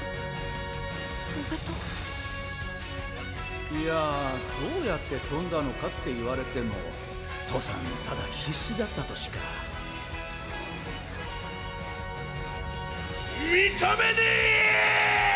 とべたいやどうやってとんだのかって言われても父さんただ必死だったとしか「みとめねぇー！」